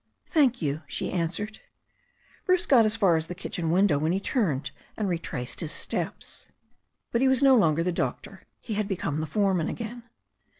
"Thank you," she answered. Bruce got as far as the kitchen window when he turned and retraced his steps. But he was no longer the doctor. He had become the foreman again.